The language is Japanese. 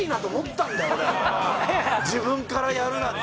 自分からやるなんて。